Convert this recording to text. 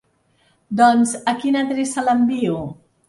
Doncs a quina adreça l'envio?